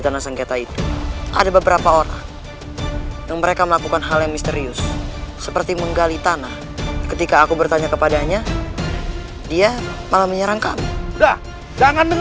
tapi aku tidak boleh membiarkan